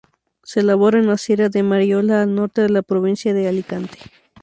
Se elabora en la Sierra de Mariola, al norte de la provincia de Alicante.